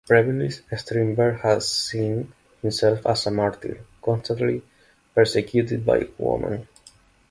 Previously, Strindberg had seen himself as a martyr, constantly persecuted by women.